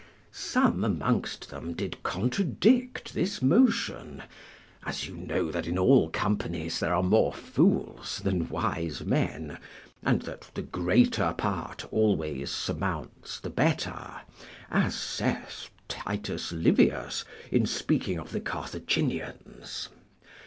Some amongst them did contradict this motion, as you know that in all companies there are more fools than wise men, and that the greater part always surmounts the better, as saith Titus Livius in speaking of the Carthaginians.